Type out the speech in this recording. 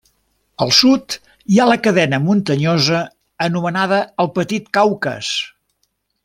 Al sud hi ha la cadena muntanyosa anomenada el Petit Caucas.